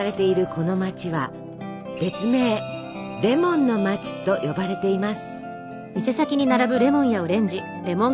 この街は別名レモンの街と呼ばれています。